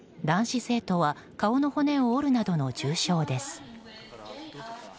男子生徒は顔の骨を折るなどの重傷です。